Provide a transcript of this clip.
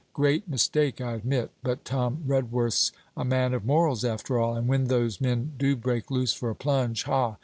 Great mistake, I admit. But Tom Redworth 's a man of morals after all; and when those men do break loose for a plunge ha!